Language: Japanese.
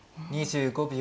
２５秒。